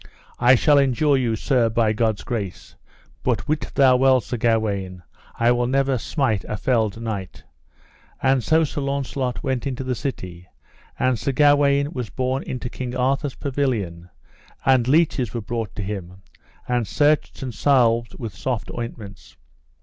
I shall endure you, Sir, by God's grace, but wit thou well, Sir Gawaine, I will never smite a felled knight. And so Sir Launcelot went into the city; and Sir Gawaine was borne into King Arthur's pavilion, and leeches were brought to him, and searched and salved with soft ointments.